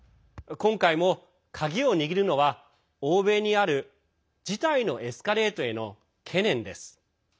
今回も鍵を握るのは、欧米にある事態のエスカレートへの懸念です。